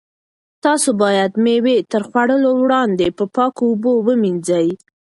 تاسو باید مېوې تر خوړلو وړاندې په پاکو اوبو ومینځئ.